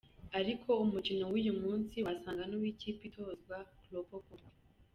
Ariko umukino w'uyu munsi wasaga n'uw'ikipe itozwa na Klopp koko.